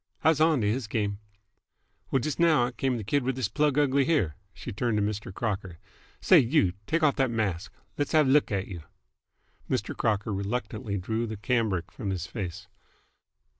I was onto h's game! Well, just now out came the kid with this plug ugly here." She turned to Mr. Crocker. "Say you! Take off th't mask. Let's have a l'k at you!" Mr. Crocker reluctantly drew the cambric from his face.